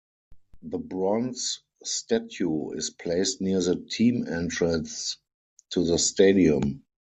The bronze statue is placed near the team entrance to the stadium.